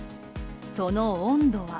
その温度は。